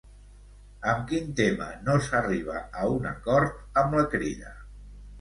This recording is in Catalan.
Amb quin tema no s'arriba a un acord amb la Crida?